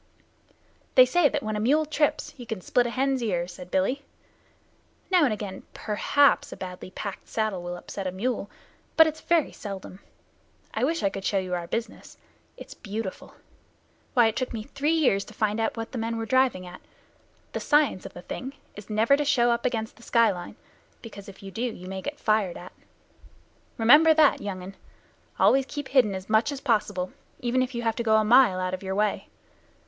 "They say that when a mule trips you can split a hen's ear," said Billy. "Now and again perhaps a badly packed saddle will upset a mule, but it's very seldom. I wish I could show you our business. It's beautiful. Why, it took me three years to find out what the men were driving at. The science of the thing is never to show up against the sky line, because, if you do, you may get fired at. Remember that, young un. Always keep hidden as much as possible, even if you have to go a mile out of your way.